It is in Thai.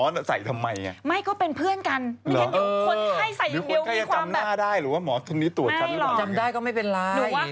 แต่จริงมันเวิร์คนะ